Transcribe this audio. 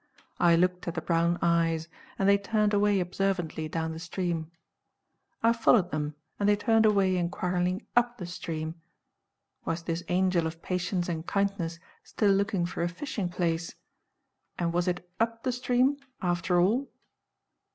I looked at the brown eyes, and they turned away observantly down the stream. I followed them, and they turned away inquiringly up the stream. Was this angel of patience and kindness still looking for a fishing place? And was it up the stream, after all?